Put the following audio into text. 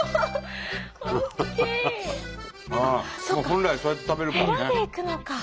本来そうやって食べるからね。